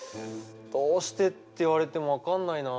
どうしてって言われても分かんないな。